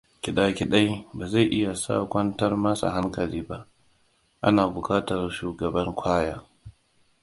Kiɗa kaɗai ba zai isa ya kwantar masa hankali ba. Ana buƙatar shugaban choir!